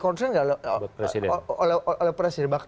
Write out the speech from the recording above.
konsep nggak oleh presiden